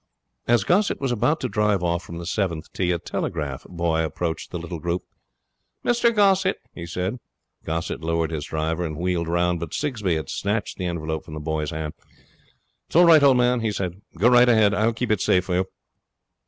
As Gossett was about to drive off from the seventh tee, a telegraph boy approached the little group. 'Mr Gossett,' he said. Gossett lowered his driver, and wheeled round, but Sigsbee had snatched the envelope from the boy's hand. 'It's all right, old man,' he said. 'Go right ahead. I'll keep it safe for you.'